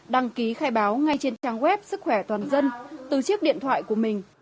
đăng ký khai báo ngay trên trang web sức khỏe toàn dân từ chiếc điện thoại của mình